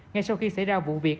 ngay sau khi xảy ra vụ việc